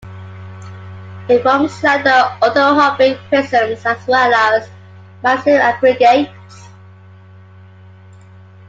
It forms slender orthorhombic prisms as well as massive aggregates.